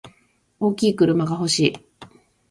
大きい車が欲しい。